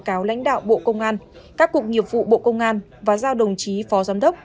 cáo lãnh đạo bộ công an các cục nghiệp vụ bộ công an và giao đồng chí phó giám đốc